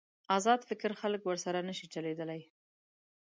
ازاد فکر خلک ورسره نشي چلېدای.